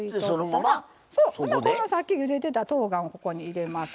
このさっきゆでてたとうがんをここに入れます。